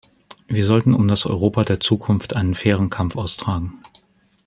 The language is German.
Wir sollten um das Europa der Zukunft einen fairen Kampf austragen.